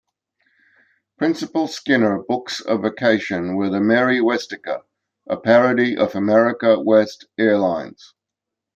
Principal Skinner books a vacation with AmeriWestica, a parody of America West Airlines.